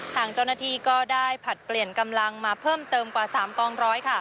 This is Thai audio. ทางเจ้าหน้าที่ก็ได้ผลัดเปลี่ยนกำลังมาเพิ่มเติมกว่า๓กองร้อย